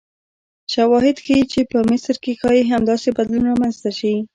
شواهد ښیي چې په مصر کې ښایي همداسې بدلون رامنځته شي.